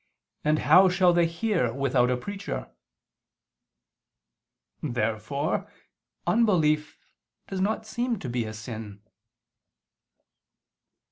And how shall they hear without a preacher?" Therefore unbelief does not seem to be a sin.